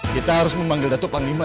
kita harus memanggil datuk panglima